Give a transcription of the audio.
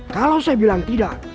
kalau saya bilang tidak